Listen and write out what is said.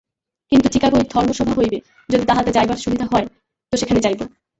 কিন্তু চিকাগোয় ধর্মসভা হইবে, যদি তাহাতে যাইবার সুবিধা হয় তো সেখানে যাইব।